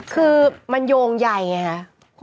คือมันโยงใหญ่ไงครับ